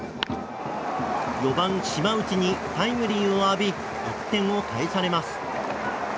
４番、島内にタイムリーを浴び１点を返されます。